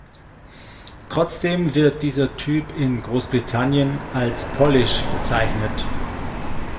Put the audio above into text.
Trotzdem wird dieser Typ in Großbritannien als „Polish“ bezeichnet.